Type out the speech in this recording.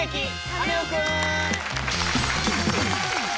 カネオくん」！